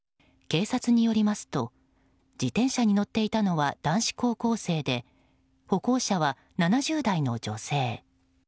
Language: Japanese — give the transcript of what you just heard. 警察によりますと自転車に乗っていたのは男子高校生で歩行者は７０代の女性。